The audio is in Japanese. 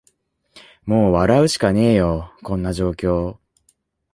もう笑うしかねーよ、こんな状況